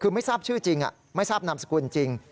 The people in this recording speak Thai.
คือไม่ทราบชื่อจริงไม่ทราบนามสกุลจริง